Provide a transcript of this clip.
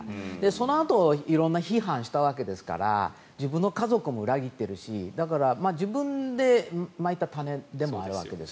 そのあと色んな批判をしたわけですから自分の家族も裏切っているし自分でまいた種でもあるわけです。